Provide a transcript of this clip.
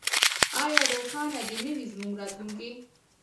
آیا روښانه دې نه وي زموږ راتلونکی؟